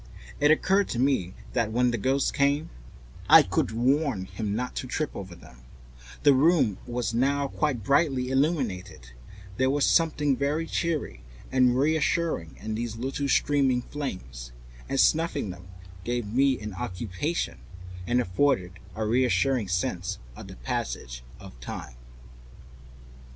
It occurred to me that when the ghost came I could warn him not to trip over them. The room was now quite brightly illuminated. There was something very cheering and reassuring in these little silent streaming flames, and to notice their steady diminution of length offered me an occupation and gave me a reassuring sense of the passage of time.